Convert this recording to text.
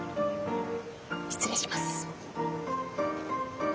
失礼します。